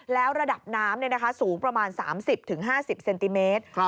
แล้วระดับน้ำสูงประมาณ๓๐๕๐เซนติเมตร